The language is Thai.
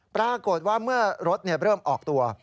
ปรากฏว่าเมื่อรถเริ่มออกตัว